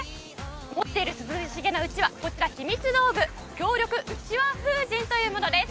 持っている涼しげなうちわ持っているひみつ道具強力うちわ風神というものです。